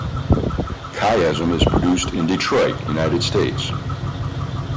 "Chiasm" is produced in Detroit, United States.